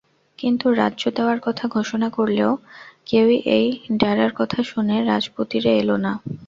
কিন্তু রাজ্য দেওয়ার কথা ঘোষণা করলেও কেউই এই ঢ্যাঁড়ার কথা শুনে রাজপুরীতে এল না।